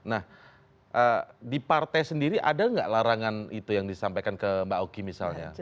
nah di partai sendiri ada nggak larangan itu yang disampaikan ke mbak oki misalnya